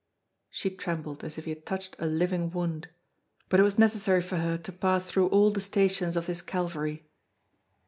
She trembled as if he had touched a living wound; but it was necessary for her to pass through all the stations of this Calvary.